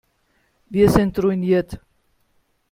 Wir sind ruiniert.